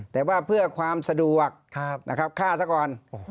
แต่ว่าเพื่อความสะดวกนะครับฆ่าซะก่อน